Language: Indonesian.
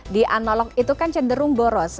di analog itu kan cenderung boros